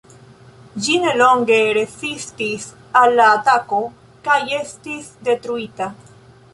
Ĝi nelonge rezistis al la atako kaj estis detruita.